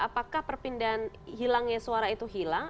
apakah perpindahan hilangnya suara itu hilang